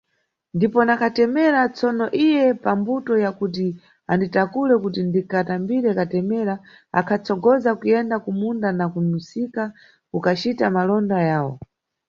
Ndipo na katemera, tsono iye pa mbuto ya kuti anditakule kuti ndikatambire katemera, akhatsogoza kuyenda ku munda na ku msika kukacita malonda yawo.